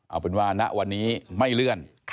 เอาเป็นว่าณวันนี้ไม่เลื่อน